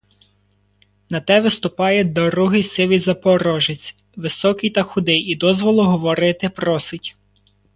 На те виступає другий сивий запорожець, високий та худий, і дозволу говорити просить.